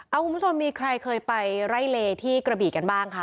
เอาคุณผู้ชมมีใครเคยไปไล่เลที่กระบีกันบ้างคะ